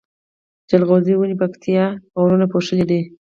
جلغوزيو ونی پکتيا غرونو پوښلي دی